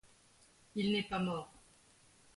Il n’est pas mort